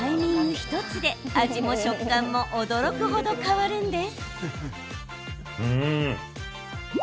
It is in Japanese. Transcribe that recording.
１つで味も食感も驚く程、変わるんです。